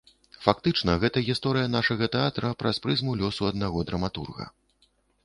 Фактычна гэта гісторыя нашага тэатра праз прызму лёсу аднаго драматурга.